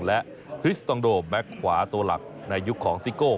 และทริสตองโดแบ็คขวาตัวหลักในยุคของซิโก้